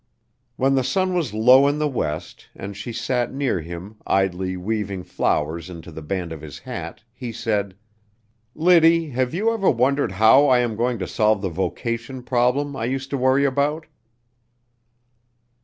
When the sun was low in the west and she sat near him idly weaving flowers into the band of his hat, he said: "Liddy, have you never wondered how I am going to solve the vocation problem I used to worry about?"